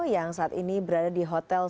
yang saat ini berada di hotel